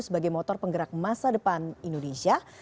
sebagai motor penggerak masa depan indonesia